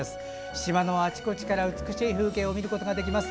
島のあちこちから美しい風景を見ることができます。